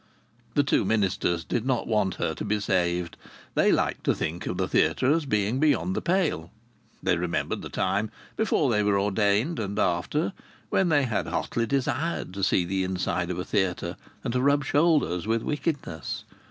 The two ministers did not want her to be saved. They liked to think of the theatre as being beyond the pale. They remembered the time, before they were ordained, and after, when they had hotly desired to see the inside of a theatre and to rub shoulders with wickedness.